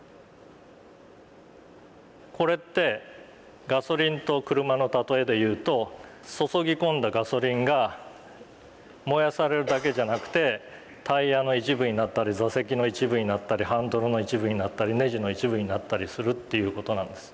これってガソリンと車の例えで言うと注ぎ込んだガソリンが燃やされるだけじゃなくてタイヤの一部になったり座席の一部になったりハンドルの一部になったりネジの一部になったりするっていう事なんです。